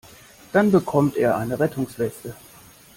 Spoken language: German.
Dann bekommt er eine Rettungsweste.